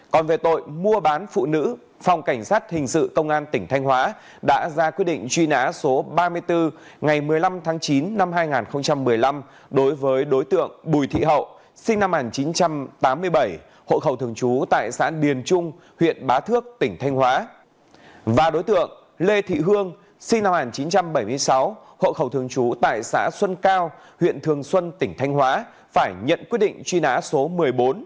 còn về tội mua bán phụ nữ phòng cảnh sát hình sự công an tỉnh thanh hóa đã ra quyết định truy nã số ba mươi bốn ngày một mươi năm tháng một mươi hai năm hai nghìn một mươi tám